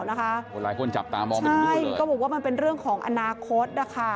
หลายคนจับตามองเป็นคุณพ่อเลยใช่ก็บอกว่ามันเป็นเรื่องของอนาคต